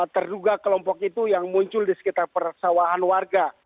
terduga kelompok itu yang muncul di sekitar persawahan warga